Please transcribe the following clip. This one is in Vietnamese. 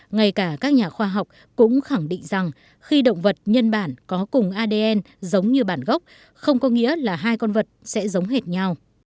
ngay cả các nhà khoa học cũng khẳng định rằng khi động vật nhân bản có cùng adn giống như bản gốc không có nghĩa là hai con vật sẽ giống hệt nhau